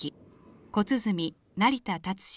小鼓成田達志。